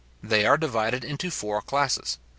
They are divided into four classes.